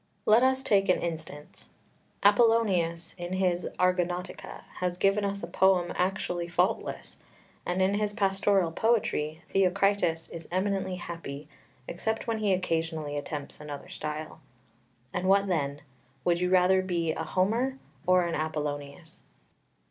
Let us take an instance: Apollonius in his Argonautica has given us a poem actually faultless; and in his pastoral poetry Theocritus is eminently happy, except when he occasionally attempts another style. And what then? Would you rather be a Homer or an Apollonius?